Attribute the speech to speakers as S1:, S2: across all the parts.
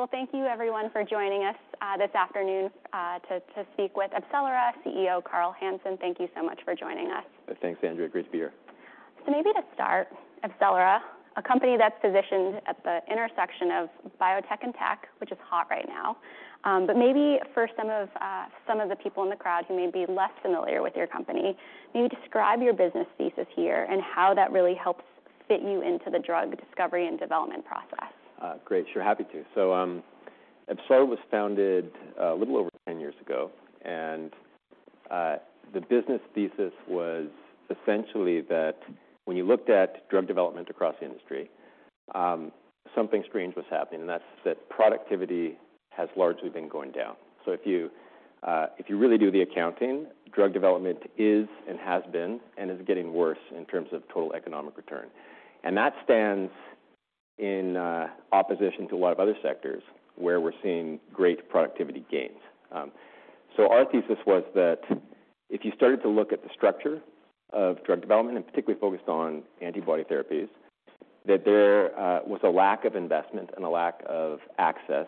S1: Well, thank you everyone for joining us, this afternoon, to speak with AbCellera CEO, Carl Hansen. Thank you so much for joining us.
S2: Thanks, Andrea. Great to be here.
S1: Maybe to start, AbCellera, a company that's positioned at the intersection of biotech and tech, which is hot right now. Maybe for some of the people in the crowd who may be less familiar with your company, can you describe your business thesis here and how that really helps fit you into the drug discovery and development process?
S2: Great. Sure, happy to. AbCellera was founded a little over 10 years ago, the business thesis was essentially that when you looked at drug development across the industry, something strange was happening, and that's that productivity has largely been going down. If you really do the accounting, drug development is and has been, and is getting worse in terms of total economic return. That stands in opposition to a lot of other sectors where we're seeing great productivity gains. Our thesis was that if you started to look at the structure of drug development, and particularly focused on antibody therapies, that there was a lack of investment and a lack of access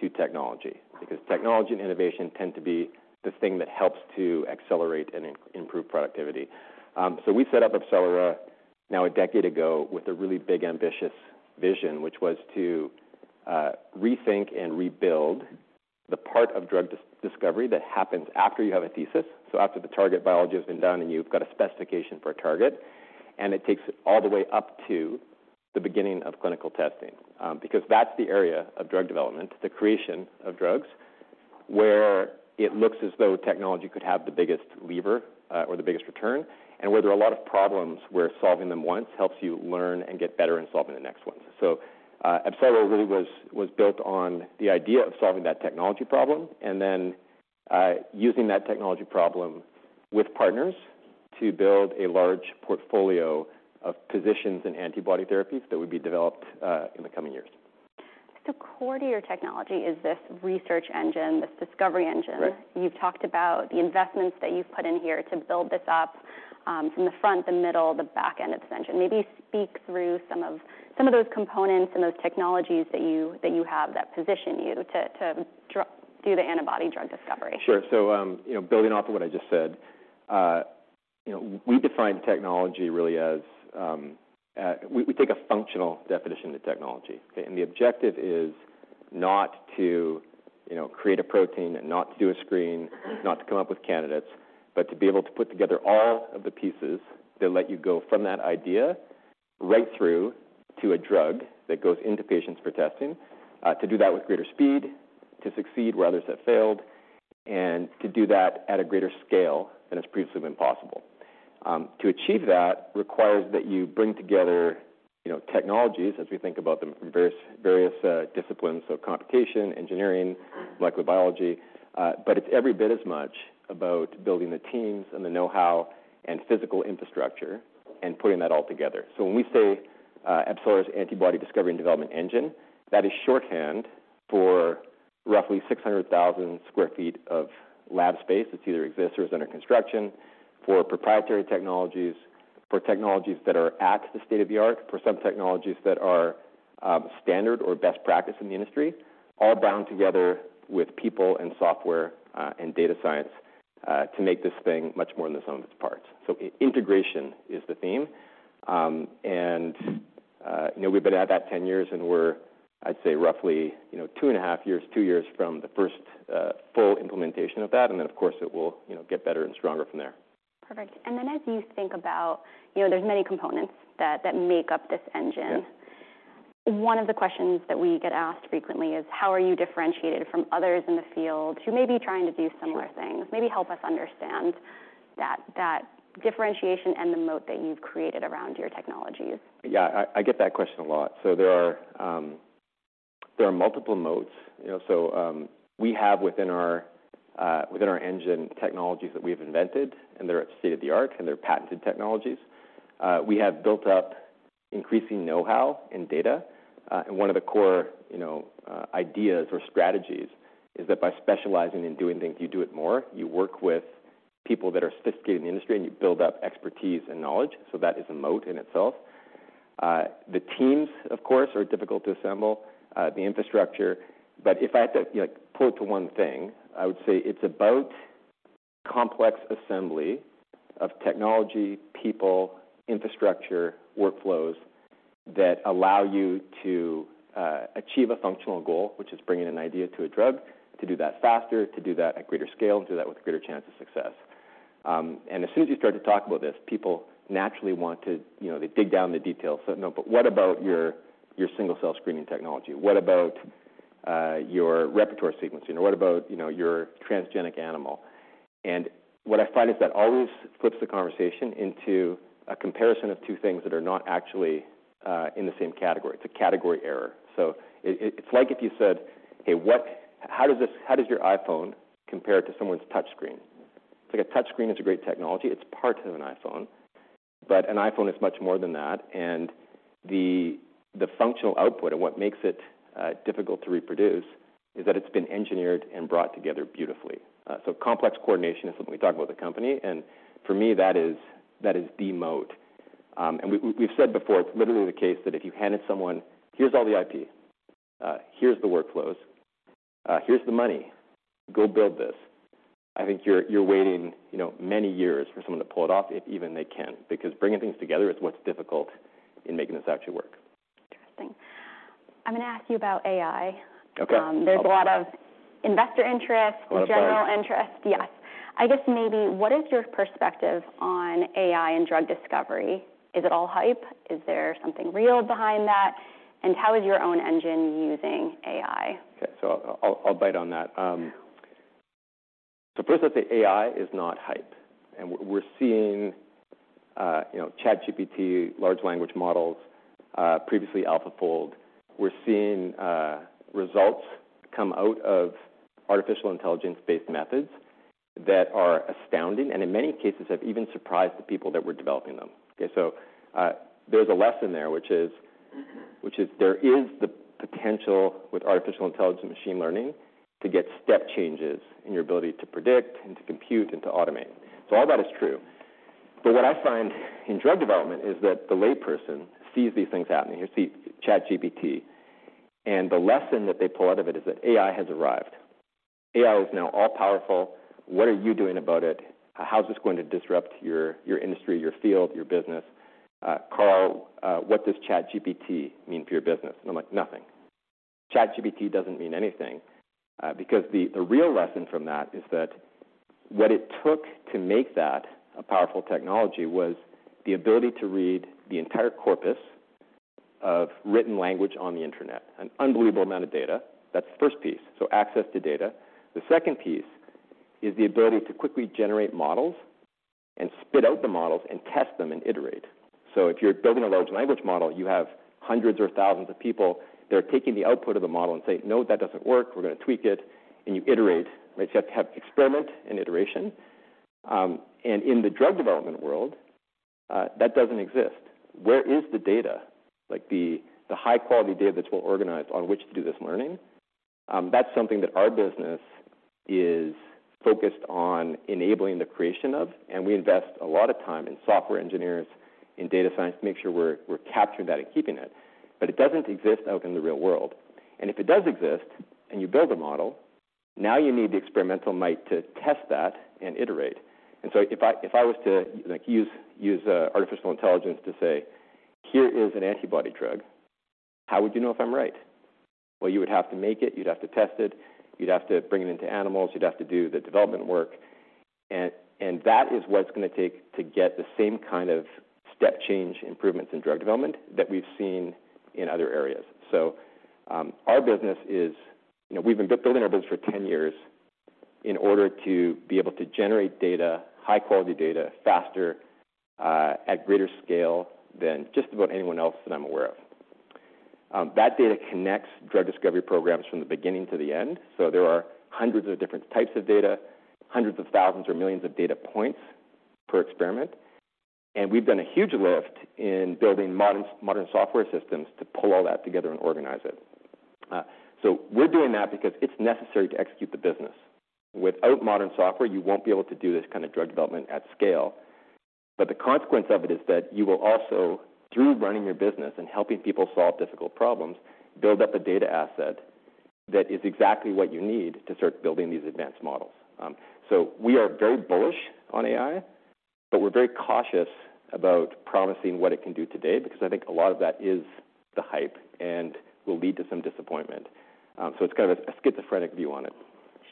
S2: to technology. Because technology and innovation tend to be the thing that helps to accelerate and improve productivity. We set up AbCellera now a decade ago with a really big, ambitious vision, which was to rethink and rebuild the part of drug discovery that happens after you have a thesis. After the target biology has been done, and you've got a specification for a target, and it takes it all the way up to the beginning of clinical testing. Because that's the area of drug development, the creation of drugs, where it looks as though technology could have the biggest lever, or the biggest return, and where there are a lot of problems, where solving them once helps you learn and get better in solving the next ones. AbCellera really was built on the idea of solving that technology problem, using that technology problem with partners to build a large portfolio of positions in antibody therapies that would be developed in the coming years.
S1: Core to your technology is this research engine, this discovery engine.
S2: Right.
S1: You've talked about the investments that you've put in here to build this up, from the front, the middle, the back end of this engine. Maybe speak through some of those components and those technologies that you, that you have that position you to do the antibody drug discovery?
S2: Sure. you know, building off of what I just said, you know, we define technology really as... We take a functional definition of technology, okay. The objective is not to, you know, create a protein and not to do a screen, not to come up with candidates, but to be able to put together all of the pieces that let you go from that idea right through to a drug that goes into patients for testing. To do that with greater speed, to succeed where others have failed, and to do that at a greater scale than has previously been possible. To achieve that requires that you bring together, you know, technologies as we think about them, various disciplines, computation, engineering, molecular biology, but it's every bit as much about building the teams and the know-how and physical infrastructure and putting that all together. When we say AbCellera's antibody discovery and development engine, that is shorthand for roughly 600,000 sq ft of lab space that either exists or is under construction, for proprietary technologies, for technologies that are at the state-of-the-art, for some technologies that are standard or best practice in the industry, all bound together with people and software and data science to make this thing much more than the sum of its parts. Integration is the theme. You know, we've been at that 10 years, and we're, I'd say, roughly, you know, two and a half years, two years from the first full implementation of that, and then, of course, it will, you know, get better and stronger from there.
S1: Perfect. Then as you think about, you know, there's many components that make up this engine-
S2: Yeah.
S1: One of the questions that we get asked frequently is, How are you differentiated from others in the field who may be trying to do similar things?
S2: Sure.
S1: Maybe help us understand that differentiation and the moat that you've created around your technologies.
S2: Yeah, I get that question a lot. There are multiple moats. You know, we have within our engine, technologies that we've invented, and they're state-of-the-art, and they're patented technologies. We have built up increasing know-how in data. One of the core, you know, ideas or strategies is that by specializing in doing things, you do it more. You work with people that are sophisticated in the industry, and you build up expertise and knowledge, so that is a moat in itself. The teams, of course, are difficult to assemble, the infrastructure. If I had to, you know, pull it to one thing, I would say it's about complex assembly of technology, people, infrastructure, workflows that allow you to achieve a functional goal, which is bringing an idea to a drug. To do that faster, to do that at greater scale, and do that with a greater chance of success. As soon as you start to talk about this, people naturally want to, you know, they dig down in the details. "What about your single-cell screening technology? What about your repertoire sequencing, or what about, you know, your transgenic animal?" What I find is that always flips the conversation into a comparison of two things that are not actually in the same category. It's a category error. It's like if you said, "Hey, how does your iPhone compare to someone's touch screen?" It's like a touch screen is a great technology. It's part of an iPhone, but an iPhone is much more than that, the functional output and what makes it difficult to reproduce is that it's been engineered and brought together beautifully. Complex coordination is when we talk about the company, and for me, that is the moat. We've said before, it's literally the case that if you handed someone, "Here's all the IP, here's the workflows, here's the money, go build this," I think you're waiting, you know, many years for someone to pull it off, if even they can. Because bringing things together is what's difficult in making this actually work.
S1: Interesting. I'm gonna ask you about AI.
S2: Okay.
S1: There's a lot of investor interest-
S2: A lot of hype
S1: -... general interest. Yes. I guess maybe what is your perspective on AI in drug discovery? Is it all hype? Is there something real behind that, and how is your own engine using AI?
S2: Okay, so I'll bite on that. First I'd say AI is not hype, and we're seeing, you know, ChatGPT, large language models, previously AlphaFold. We're seeing results come out of artificial intelligence-based methods that are astounding, and in many cases, have even surprised the people that were developing them. There's a lesson there, which is there is the potential with artificial intelligence and machine learning to get step changes in your ability to predict and to compute and to automate. All that is true. What I find in drug development is that the layperson sees these things happening. You see ChatGPT, and the lesson that they pull out of it is that AI has arrived. AI is now all-powerful. What are you doing about it? How is this going to disrupt your industry, your field, your business? "Carl, what does ChatGPT mean for your business?" I'm like: Nothing. ChatGPT doesn't mean anything because the real lesson from that is that what it took to make that a powerful technology was the ability to read the entire corpus of written language on the internet, an unbelievable amount of data. That's the first piece, so access to data. The second piece is the ability to quickly generate models and spit out the models and test them and iterate. If you're building a large language model, you have hundreds or thousands of people that are taking the output of the model and saying, "No, that doesn't work. We're gonna tweak it," and you iterate. Right? You have to have experiment and iteration. In the drug development world, that doesn't exist. Where is the data, like the high-quality data that's well-organized, on which to do this learning? That's something that our business is focused on enabling the creation of, we invest a lot of time in software engineers, in data science, to make sure we're capturing that and keeping it. It doesn't exist out in the real world. If it does exist, and you build a model, now you need the experimental might to test that and iterate. If I was to, like, use artificial intelligence to say, "Here is an antibody drug," how would you know if I'm right? You would have to make it, you'd have to test it, you'd have to bring it into animals, you'd have to do the development work, and that is what it's going to take to get the same kind of step change improvements in drug development that we've seen in other areas. You know, we've been building our business for 10 years in order to be able to generate data, high-quality data, faster, at greater scale than just about anyone else that I'm aware of. That data connects drug discovery programs from the beginning to the end, there are hundreds of different types of data, hundreds of thousands or millions of data points per experiment, and we've done a huge lift in building modern software systems to pull all that together and organize it. We're doing that because it's necessary to execute the business. Without modern software, you won't be able to do this kind of drug development at scale. The consequence of it is that you will also, through running your business and helping people solve difficult problems, build up a data asset that is exactly what you need to start building these advanced models. We are very bullish on AI, but we're very cautious about promising what it can do today because I think a lot of that is the hype and will lead to some disappointment. It's kind of a schizophrenic view on it.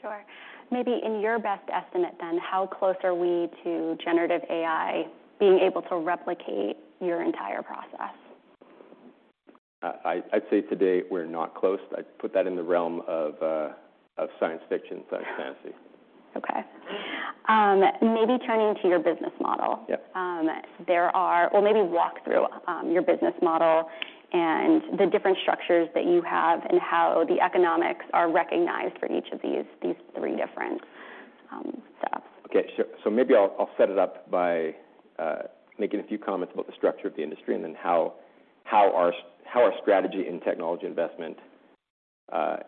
S1: Sure. Maybe in your best estimate then, how close are we to generative AI being able to replicate your entire process?
S2: I'd say today we're not close. I'd put that in the realm of science fiction/science fantasy.
S1: Okay. maybe turning to your business model.
S2: Yep.
S1: There are. well, maybe walk through your business model and the different structures that you have and how the economics are recognized for each of these three different setups.
S2: Okay. Sure. Maybe I'll set it up by making a few comments about the structure of the industry and then how our strategy and technology investment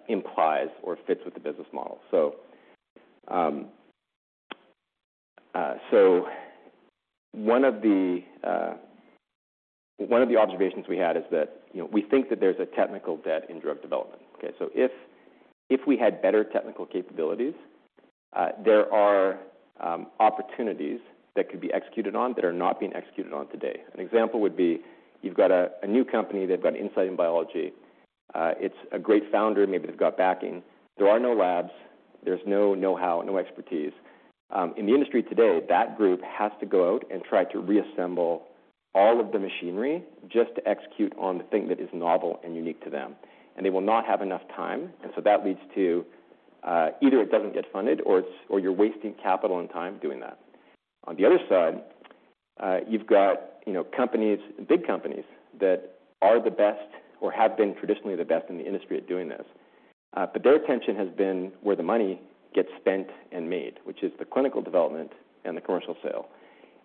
S2: implies or fits with the business model. One of the observations we had is that, you know, we think that there's a technical debt in drug development, okay? If we had better technical capabilities, there are opportunities that could be executed on that are not being executed on today. An example would be, you've got a new company, they've got insight in biology. It's a great founder. Maybe they've got backing. There are no labs. There's no know-how, no expertise. In the industry today, that group has to go out and try to reassemble all of the machinery just to execute on the thing that is novel and unique to them, and they will not have enough time, that leads to either it doesn't get funded or you're wasting capital and time doing that. You've got, you know, companies, big companies, that are the best or have been traditionally the best in the industry at doing this. Their attention has been where the money gets spent and made, which is the clinical development and the commercial sale,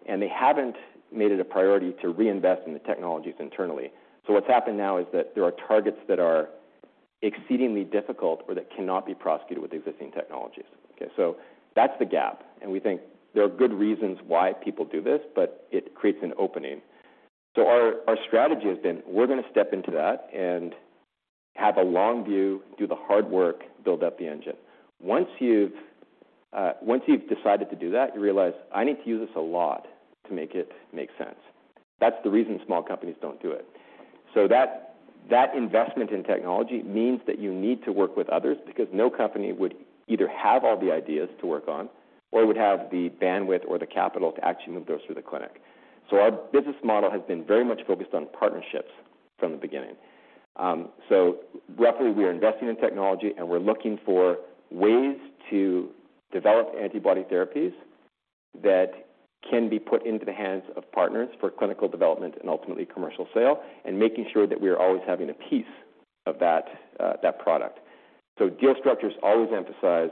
S2: and they haven't made it a priority to reinvest in the technologies internally. What's happened now is that there are targets that are exceedingly difficult or that cannot be prosecuted with existing technologies, okay? That's the gap, we think there are good reasons why people do this, but it creates an opening. Our strategy has been, we're going to step into that and have a long view, do the hard work, build up the engine. Once you've decided to do that, you realize, "I need to use this a lot to make it make sense." That's the reason small companies don't do it. That investment in technology means that you need to work with others, because no company would either have all the ideas to work on or would have the bandwidth or the capital to actually move those through the clinic. Our business model has been very much focused on partnerships from the beginning. Roughly, we are investing in technology, and we're looking for ways to develop antibody therapies that can be put into the hands of partners for clinical development and ultimately commercial sale, and making sure that we are always having a piece of that product. Deal structures always emphasize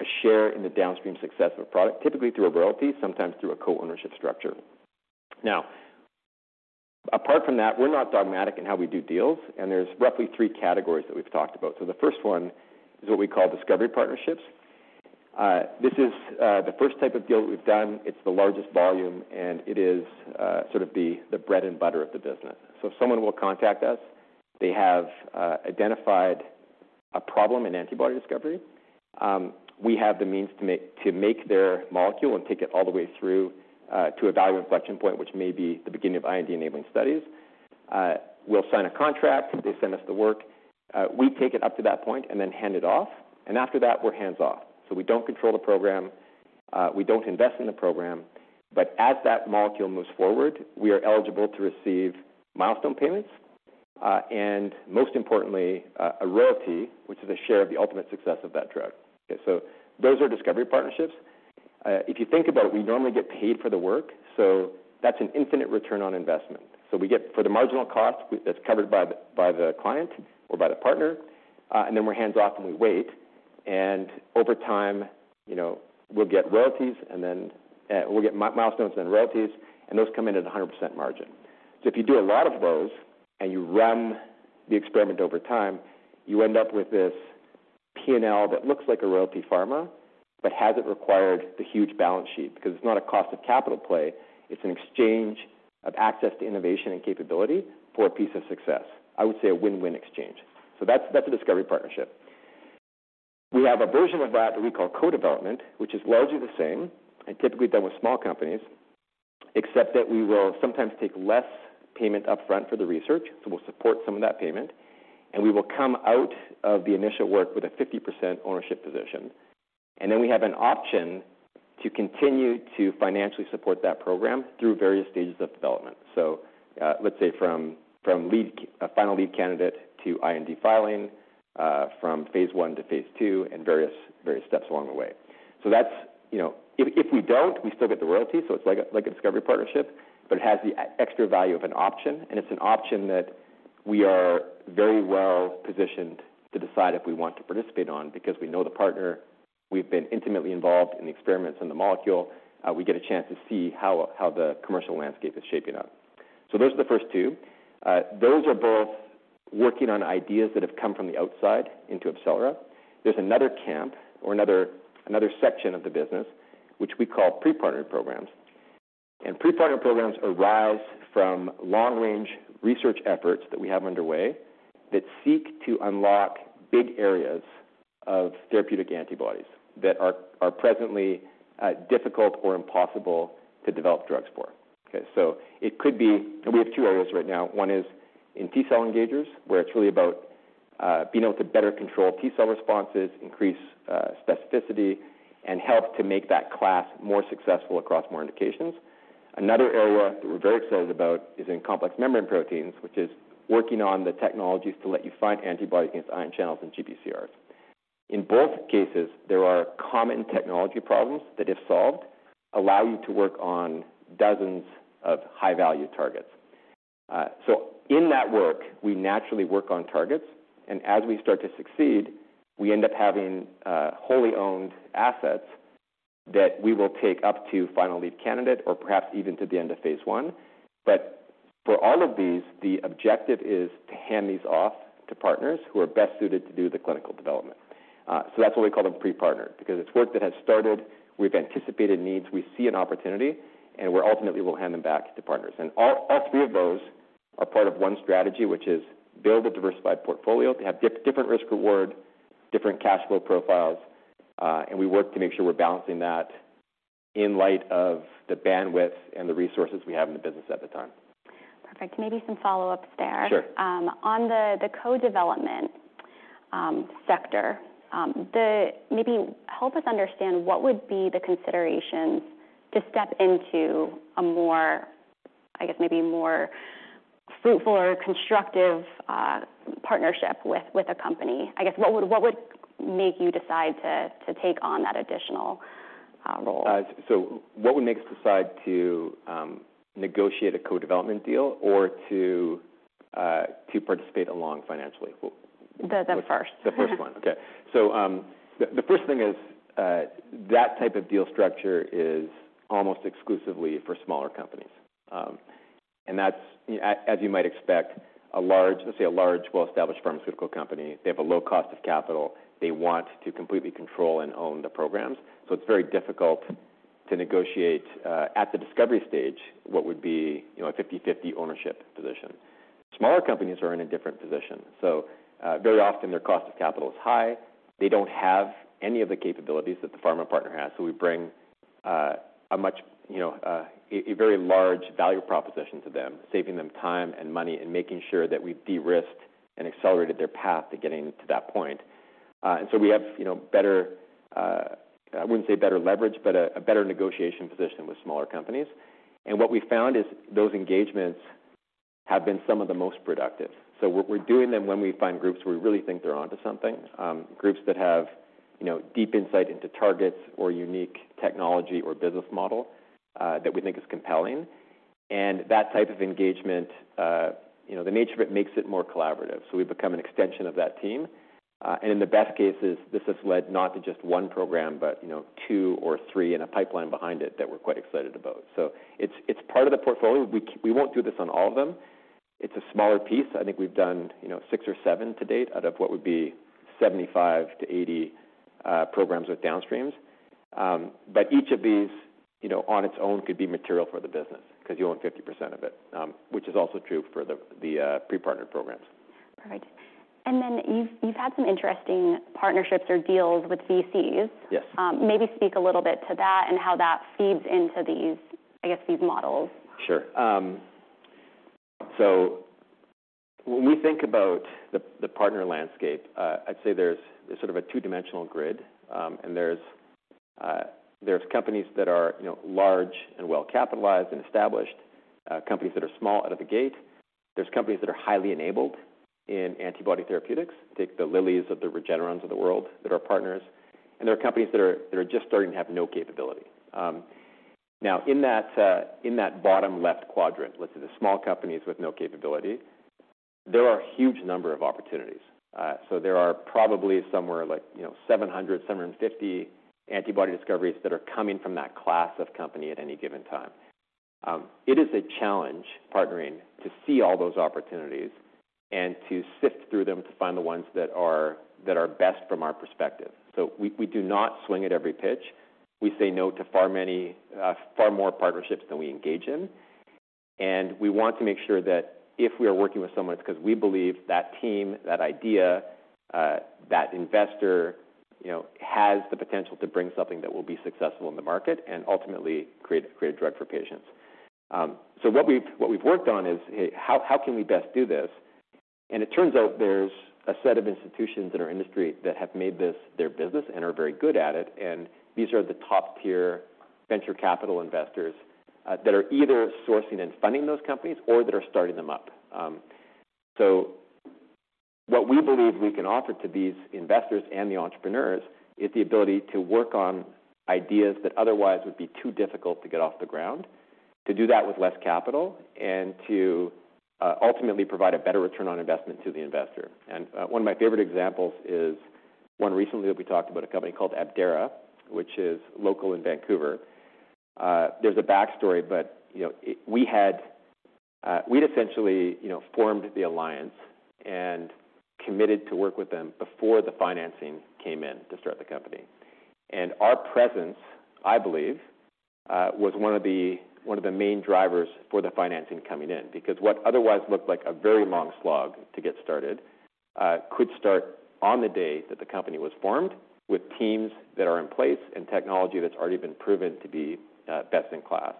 S2: a share in the downstream success of a product, typically through a royalty, sometimes through a co-ownership structure. Apart from that, we're not dogmatic in how we do deals, and there's roughly three categories that we've talked about. The first one is what we call discovery partnerships. This is the first type of deal we've done. It's the largest volume, and it is sort of the bread and butter of the business. If someone will contact us, they have identified a problem in antibody discovery, we have the means to make their molecule and take it all the way through to a value inflection point, which may be the beginning of IND-enabling studies. We'll sign a contract, they send us the work, we take it up to that point and then hand it off, and after that, we're hands-off. We don't control the program, we don't invest in the program, but as that molecule moves forward, we are eligible to receive milestone payments, and most importantly, a royalty, which is a share of the ultimate success of that drug. Those are discovery partnerships. If you think about it, we normally get paid for the work, so that's an infinite return on investment. We get... For the marginal cost, that's covered by the, by the client or by the partner, and then we're hands-off and we wait, and over time, you know, we'll get royalties, and then, we'll get milestones and royalties, and those come in at a 100% margin. If you do a lot of those and you run the experiment over time, you end up with this P&L that looks like a Royalty Pharma, but hasn't required the huge balance sheet, because it's not a cost of capital play, it's an exchange of access to innovation and capability for a piece of success. I would say a win-win exchange. That's, that's a discovery partnership. We have a version of that we call co-development, which is largely the same, and typically done with small companies, except that we will sometimes take less payment upfront for the research, so we'll support some of that payment, and we will come out of the initial work with a 50% ownership position. We have an option to continue to financially support that program through various stages of development. Let's say from a final lead candidate to IND filing, from phase one to phase two, and various steps along the way. That's, you know... If we don't, we still get the royalty, so it's like a discovery partnership, but it has the extra value of an option, and it's an option that we are very well-positioned to decide if we want to participate on, because we know the partner, we've been intimately involved in the experiments and the molecule, we get a chance to see how the commercial landscape is shaping up. Those are the first two. Those are both working on ideas that have come from the outside into AbCellera. There's another camp or another section of the business, which we call pre-partnered programs. Pre-partnered programs arise from long-range research efforts that we have underway that seek to unlock big areas of therapeutic antibodies that are presently difficult or impossible to develop drugs for. We have two areas right now. One is in T-cell engagers, where it's really about being able to better control T-cell responses, increase specificity, and help to make that class more successful across more indications. Another area that we're very excited about is in complex membrane proteins, which is working on the technologies to let you find antibodies against ion channels and GPCRs. In both cases, there are common technology problems that, if solved, allow you to work on dozens of high-value targets. In that work, we naturally work on targets, and as we start to succeed, we end up having wholly owned assets that we will take up to final lead candidate or perhaps even to the end of phase I. For all of these, the objective is to hand these off to partners who are best suited to do the clinical development. That's why we call them pre-partner, because it's work that has started, we've anticipated needs, we see an opportunity, and we're ultimately will hand them back to partners. All three of those are part of one strategy, which is build a diversified portfolio to have different risk/reward, different cash flow profiles, and we work to make sure we're balancing that in light of the bandwidth and the resources we have in the business at the time.
S1: Perfect. Maybe some follow-ups there.
S2: Sure.
S1: On the co-development sector, Maybe help us understand what would be the considerations to step into a more, I guess, maybe more fruitful or constructive partnership with a company? I guess, what would make you decide to take on that additional role?
S2: What would make us decide to negotiate a co-development deal or to participate along financially?
S1: The first.
S2: The first one. Okay. The first thing is that type of deal structure is almost exclusively for smaller companies. That's, as you might expect, a large, let's say, a large, well-established pharmaceutical company. They have a low cost of capital. They want to completely control and own the programs, so it's very difficult to negotiate, at the discovery stage, what would be, you know, a 50/50 ownership position. Smaller companies are in a different position, so, very often their cost of capital is high. They don't have any of the capabilities that the pharma partner has, so we bring, you know, a very large value proposition to them, saving them time and money and making sure that we've de-risked and accelerated their path to getting to that point. We have, you know, better, I wouldn't say better leverage, but a better negotiation position with smaller companies. What we've found is those engagements have been some of the most productive. We're doing them when we find groups we really think they're onto something, groups that have, you know, deep insight into targets or unique technology or business model that we think is compelling. That type of engagement, you know, the nature of it makes it more collaborative, so we've become an extension of that team. In the best cases, this has led not to just one program, but, you know, two or three and a pipeline behind it that we're quite excited about. It's part of the portfolio. We won't do this on all of them. It's a smaller piece. I think we've done, you know, six or seven to date out of what would be 75 to 80 programs with downstreams. Each of these, you know, on its own, could be material for the business because you own 50% of it, which is also true for the pre-partnered programs.
S1: All right. You've had some interesting partnerships or deals with VCs.
S2: Yes.
S1: Maybe speak a little bit to that and how that feeds into these, I guess, these models.
S2: Sure. When we think about the partner landscape, I'd say there's sort of a two-dimensional grid. There's companies that are, you know, large and well-capitalized and established, companies that are small out of the gate. There's companies that are highly enabled in antibody therapeutics, take the Lilly's of the Regeneron's of the world that are partners, and there are companies that are just starting to have no capability. Now, in that in that bottom left quadrant, let's say, the small companies with no capability, there are a huge number of opportunities. There are probably somewhere like, you know, 700 or 750 antibody discoveries that are coming from that class of company at any given time. It is a challenge partnering to see all those opportunities and to sift through them to find the ones that are best from our perspective. We, we do not swing at every pitch. We say no to far many, far more partnerships than we engage in. We want to make sure that if we are working with someone, it's because we believe that team, that idea, that investor, you know, has the potential to bring something that will be successful in the market and ultimately create a drug for patients. What we've worked on is, hey, how can we best do this? It turns out there's a set of institutions in our industry that have made this their business and are very good at it, and these are the top-tier venture capital investors, that are either sourcing and funding those companies or that are starting them up. What we believe we can offer to these investors and the entrepreneurs is the ability to work on ideas that otherwise would be too difficult to get off the ground, to do that with less capital, and to ultimately provide a better return on investment to the investor. One of my favorite examples is one recently, that we talked about a company called Abdera, which is local in Vancouver. There's a backstory, but, you know... We had, we'd essentially, you know, formed the alliance and committed to work with them before the financing came in to start the company. Our presence, I believe, was one of the main drivers for the financing coming in, because what otherwise looked like a very long slog to get started, could start on the day that the company was formed, with teams that are in place and technology that's already been proven to be, best in class.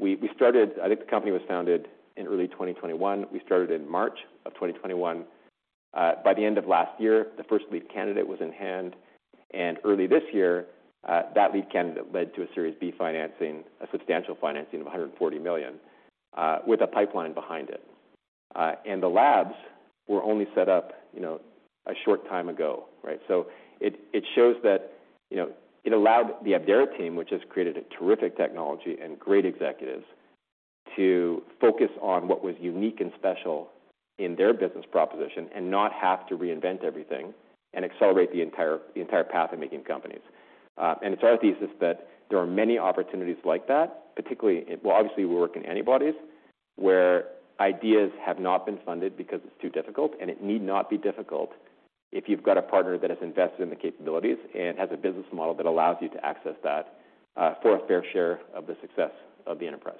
S2: We, I think the company was founded in early 2021. We started in March 2021. By the end of last year, the first lead candidate was in hand, early this year, that lead candidate led to a Series B financing, a substantial financing of $140 million, with a pipeline behind it. The labs were only set up, you know, a short time ago, right? It shows that, you know, it allowed the Abdera team, which has created a terrific technology and great executives, to focus on what was unique and special in their business proposition and not have to reinvent everything and accelerate the entire path in making companies. It's our thesis that there are many opportunities like that, particularly, well, obviously, we work in antibodies, where ideas have not been funded because it's too difficult, and it need not be difficult if you've got a partner that has invested in the capabilities and has a business model that allows you to access that for a fair share of the success of the enterprise.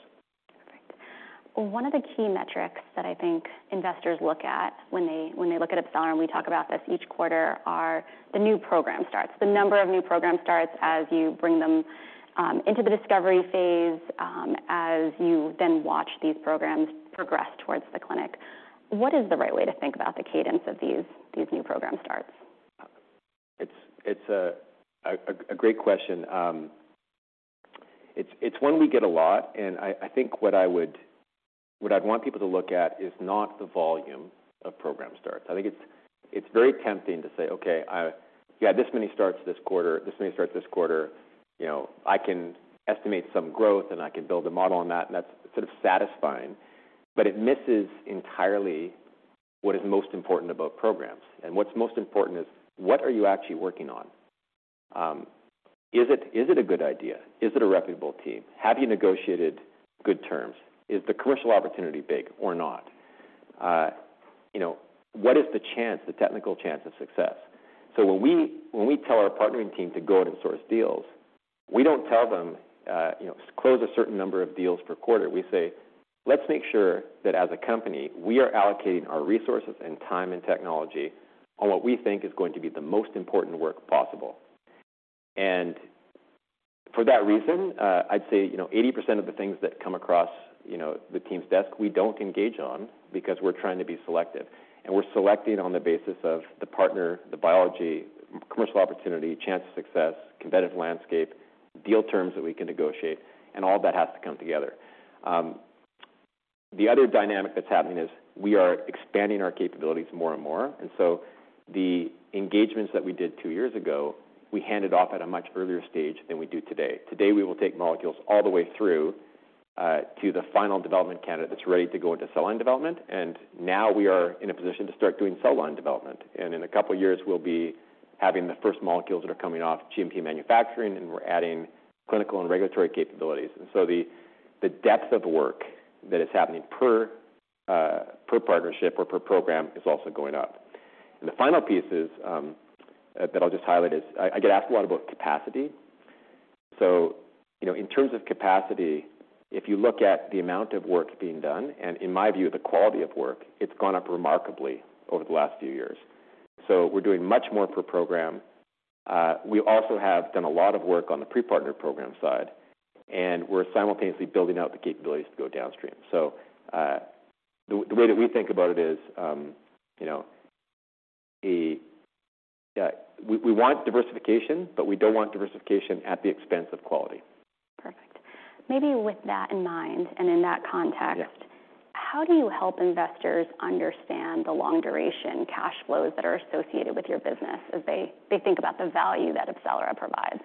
S1: Perfect. One of the key metrics that I think investors look at when they look at AbCellera, and we talk about this each quarter, are the new program starts. The number of new program starts as you bring them into the discovery phase, as you then watch these programs progress towards the clinic. What is the right way to think about the cadence of these new program starts?
S2: It's, it's a great question. It's, it's one we get a lot, and I think what I'd want people to look at is not the volume of program starts. I think it's very tempting to say, "Okay, Yeah, this many starts this quarter, this many starts this quarter. You know, I can estimate some growth, and I can build a model on that," and that's sort of satisfying, but it misses entirely what is most important about programs. What's most important is: What are you actually working on? Is it a good idea? Is it a reputable team? Have you negotiated good terms? Is the commercial opportunity big or not? You know, what is the chance, the technical chance of success? When we tell our partnering team to go out and source deals, we don't tell them, you know, "Close a certain number of deals per quarter." We say, "Let's make sure that as a company, we are allocating our resources and time, and technology on what we think is going to be the most important work possible." For that reason, I'd say, you know, 80% of the things that come across, you know, the team's desk, we don't engage on because we're trying to be selective. We're selecting on the basis of the partner, the biology, commercial opportunity, chance of success, competitive landscape, deal terms that we can negotiate, and all of that has to come together. The other dynamic that's happening is we are expanding our capabilities more and more, and so the engagements that we did two years ago, we handed off at a much earlier stage than we do today. Today, we will take molecules all the way through to the final development candidate that's ready to go into cell line development, and now we are in a position to start doing cell line development. In a couple of years, we'll be having the first molecules that are coming off GMP manufacturing, and we're adding clinical and regulatory capabilities. So the depth of work that is happening per partnership or per program is also going up. The final piece is that I'll just highlight is, I get asked a lot about capacity. You know, in terms of capacity, if you look at the amount of work being done, and in my view, the quality of work, it's gone up remarkably over the last few years. We're doing much more per program. We also have done a lot of work on the pre-partner program side, and we're simultaneously building out the capabilities to go downstream. The way that we think about it is, you know, that we want diversification, but we don't want diversification at the expense of quality.
S1: Perfect. Maybe with that in mind and in that context...
S2: Yeah.
S1: How do you help investors understand the long-duration cash flows that are associated with your business as they think about the value that AbCellera provides?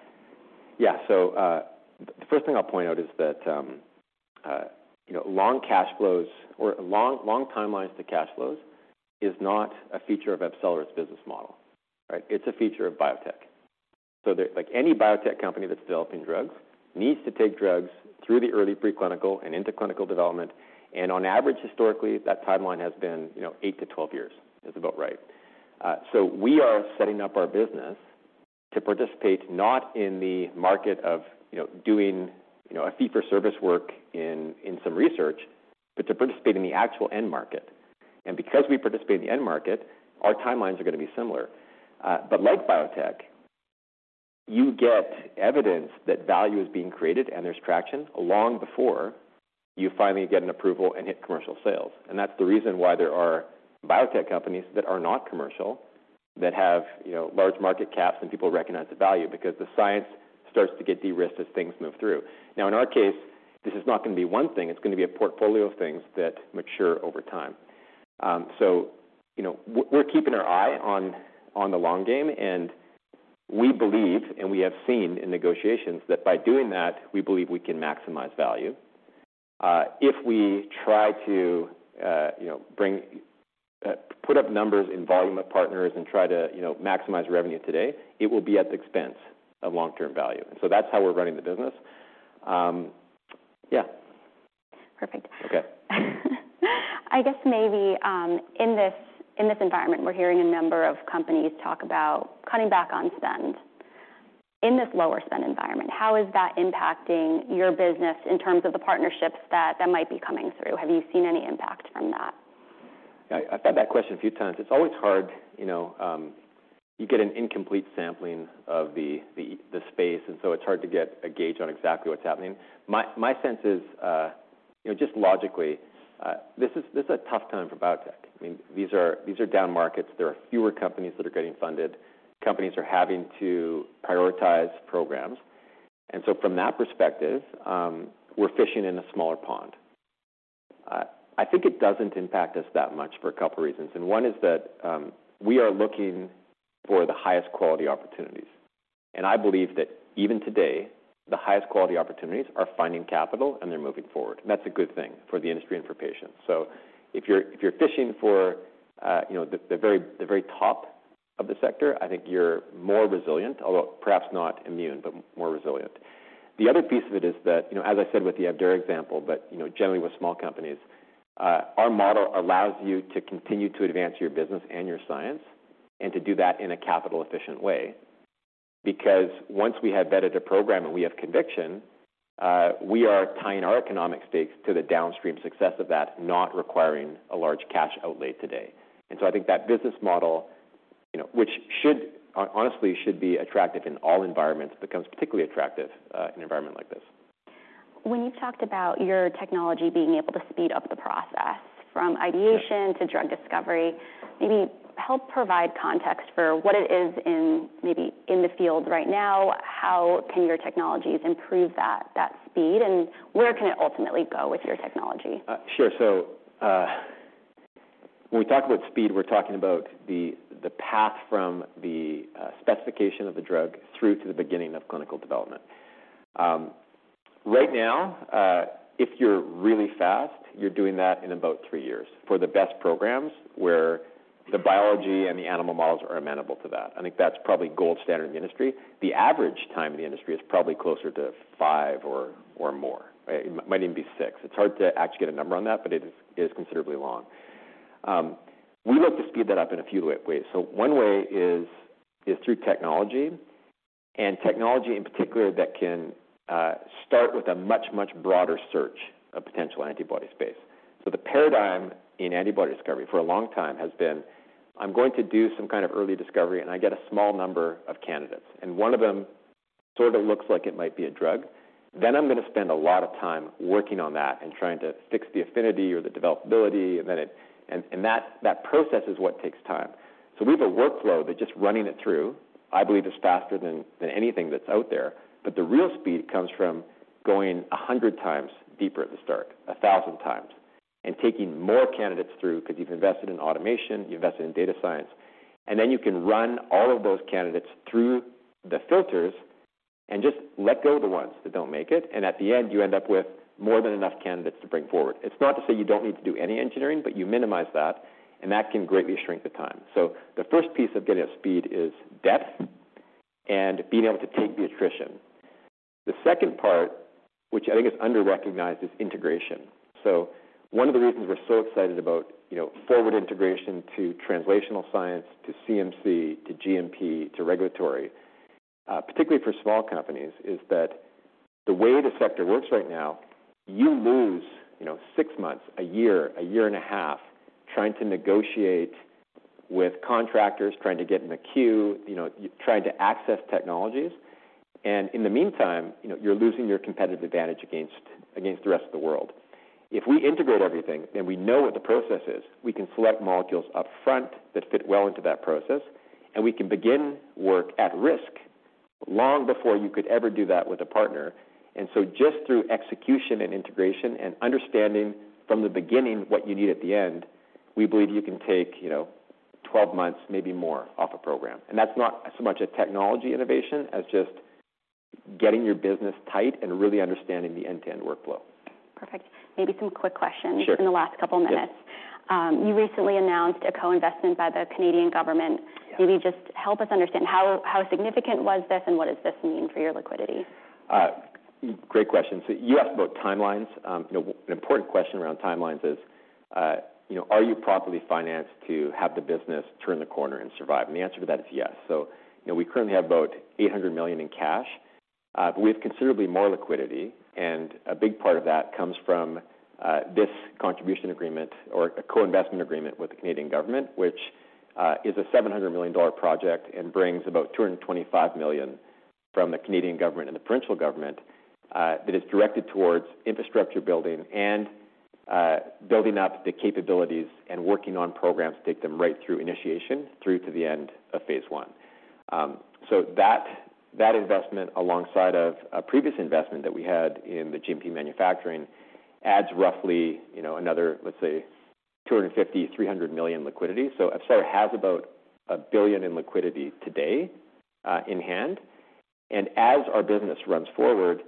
S2: Yeah. The first thing I'll point out is that, you know, long cash flows or long timelines to cash flows is not a feature of AbCellera's business model, right? It's a feature of biotech. Like, any biotech company that's developing drugs needs to take drugs through the early preclinical and into clinical development, and on average, historically, that timeline has been, you know, 8-12 years. Is about right. We are setting up our business to participate not in the market of, you know, doing, you know, a fee-for-service work in some research, but to participate in the actual end market. Because we participate in the end market, our timelines are going to be similar. Like biotech, you get evidence that value is being created and there's traction long before you finally get an approval and hit commercial sales. That's the reason why there are biotech companies that are not commercial, that have, you know, large market caps, and people recognize the value because the science starts to get de-risked as things move through. In our case, this is not going to be one thing. It's going to be a portfolio of things that mature over time. We're keeping our eye on the long game, and we believe, and we have seen in negotiations, that by doing that, we believe we can maximize value. if we try to, you know, put up numbers in volume of partners and try to, you know, maximize revenue today, it will be at the expense of long-term value. That's how we're running the business. yeah.
S1: Perfect.
S2: Okay.
S1: I guess maybe, in this environment, we're hearing a number of companies talk about cutting back on spend. In this lower-spend environment, how is that impacting your business in terms of the partnerships that might be coming through? Have you seen any impact from that?
S2: I've had that question a few times. It's always hard, you know. You get an incomplete sampling of the space, and so it's hard to get a gauge on exactly what's happening. My sense is, you know, just logically, this is a tough time for biotech. I mean, these are down markets. There are fewer companies that are getting funded. Companies are having to prioritize programs. From that perspective, we're fishing in a smaller pond. I think it doesn't impact us that much for a couple reasons, and one is that we are looking for the highest quality opportunities. I believe that even today, the highest quality opportunities are finding capital, and they're moving forward. That's a good thing for the industry and for patients. If you're, if you're fishing for, you know, the very, the very top of the sector, I think you're more resilient, although perhaps not immune, but more resilient. The other piece of it is that, you know, as I said, with the Abdera example, but, you know, generally with small companies, our model allows you to continue to advance your business and your science, and to do that in a capital-efficient way. Once we have vetted a program and we have conviction, we are tying our economic stakes to the downstream success of that, not requiring a large cash outlay today. I think that business model, you know, which should, honestly, should be attractive in all environments, becomes particularly attractive in an environment like this.
S1: When you talked about your technology being able to speed up the process from ideation.
S2: Yeah.
S1: -to drug discovery, maybe help provide context for what it is in, maybe in the field right now, how can your technologies improve that speed, and where can it ultimately go with your technology?
S2: Sure. When we talk about speed, we're talking about the path from the specification of the drug through to the beginning of clinical development. Right now, if you're really fast, you're doing that in about three years for the best programs, where the biology and the animal models are amenable to that. I think that's probably gold standard in the industry. The average time in the industry is probably closer to five or more. It might even be six. It's hard to actually get a number on that, but it is considerably long. We look to speed that up in a few ways. One way is through technology, and technology in particular, that can start with a much, much broader search of potential antibody space. The paradigm in antibody discovery for a long time has been, I'm going to do some kind of early discovery, and I get a small number of candidates, and one of them sort of looks like it might be a drug. I'm gonna spend a lot of time working on that and trying to fix the affinity or the developability. That process is what takes time. We have a workflow that just running it through, I believe, is faster than anything that's out there. The real speed comes from going 100 times deeper at the start, 1,000 times, and taking more candidates through, because you've invested in automation, you've invested in data science, and then you can run all of those candidates through the filters and just let go of the ones that don't make it, and at the end, you end up with more than enough candidates to bring forward. It's not to say you don't need to do any engineering, but you minimize that, and that can greatly shrink the time. The first piece of getting up speed is depth and being able to take the attrition. The second part, which I think is underrecognized, is integration. One of the reasons we're so excited about, you know, forward integration to translational science, to CMC, to GMP, to regulatory, particularly for small companies, is that the way the sector works right now, you lose, you know, six months, a year, a year and a half, trying to negotiate with contractors, trying to get in the queue, you know, trying to access technologies, and in the meantime, you know, you're losing your competitive advantage against the rest of the world. If we integrate everything and we know what the process is, we can select molecules upfront that fit well into that process, and we can begin work at risk long before you could ever do that with a partner. Just through execution and integration and understanding from the beginning what you need at the end, we believe you can take, you know, 12 months, maybe more, off a program. That's not so much a technology innovation as just getting your business tight and really understanding the end-to-end workflow.
S1: Perfect. Maybe some quick questions.
S2: Sure.
S1: in the last couple minutes.
S2: Yeah.
S1: You recently announced a co-investment by the Canadian government.
S2: Yeah.
S1: Maybe just help us understand how significant was this and what does this mean for your liquidity?
S2: Great question. You asked about timelines. You know, an important question around timelines is, you know, are you properly financed to have the business turn the corner and survive? The answer to that is yes. You know, we currently have about $800 million in cash, but we have considerably more liquidity, and a big part of that comes from this contribution agreement or a co-investment agreement with the Canadian government, which is a $700 million project and brings about $225 million from the Canadian government and the provincial government, that is directed towards infrastructure building and building up the capabilities and working on programs to take them right through initiation through to the end of Phase 1. That, that investment, alongside of a previous investment that we had in the GMP manufacturing, adds roughly, you know, another, let's say, $250 million, $300 million liquidity. AbCellera has about $1 billion in liquidity today, in hand. As our business runs forward,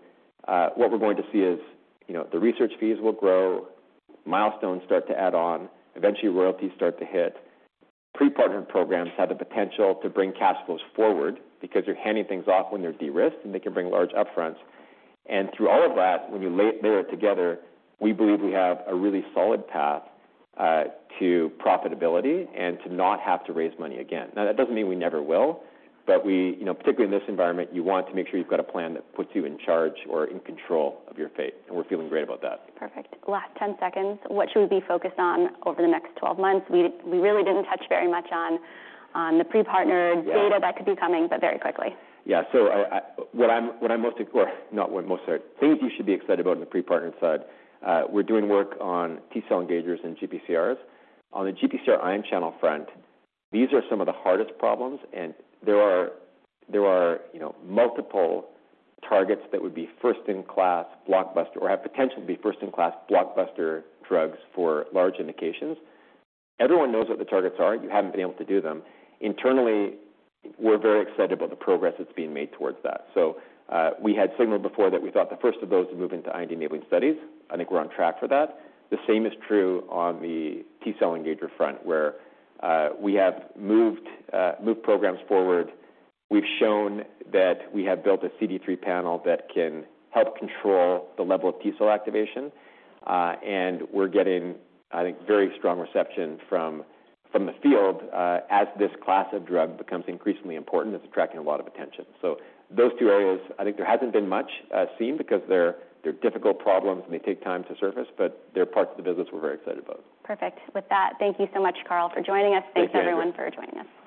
S2: what we're going to see is, you know, the research fees will grow, milestones start to add on, eventually, royalties start to hit. Pre-partnered programs have the potential to bring cash flows forward because you're handing things off when they're de-risked, and they can bring large upfronts. Through all of that, when you layer it together, we believe we have a really solid path, to profitability and to not have to raise money again. That doesn't mean we never will, but we, you know, particularly in this environment, you want to make sure you've got a plan that puts you in charge or in control of your fate, and we're feeling great about that.
S1: Perfect. Last 10 seconds. What should we be focused on over the next 12 months? We really didn't touch very much on the pre-partnered-
S2: Yeah...
S1: data that could be coming, but very quickly.
S2: What I'm most excited. Things you should be excited about on the pre-partnered side, we're doing work on T-cell engagers and GPCRs. On the GPCR ion channel front, these are some of the hardest problems, and there are, you know, multiple targets that would be first-in-class blockbuster or have potential to be first-in-class blockbuster drugs for large indications. Everyone knows what the targets are. You haven't been able to do them. Internally, we're very excited about the progress that's being made towards that. We had signaled before that we thought the first of those would move into IND-enabling studies. I think we're on track for that. The same is true on the T-cell engager front, where we have moved programs forward. We've shown that we have built a CD3 panel that can help control the level of T-cell activation, and we're getting, I think, very strong reception from the field, as this class of drug becomes increasingly important. It's attracting a lot of attention. Those two areas, I think there hasn't been much seen because they're difficult problems and they take time to surface, but they're parts of the business we're very excited about.
S1: Perfect. With that, thank you so much, Carl, for joining us.
S2: Thank you.
S1: Thanks, everyone, for joining us.